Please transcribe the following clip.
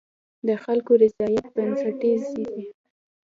د خلکو رضایت بنسټیز دی.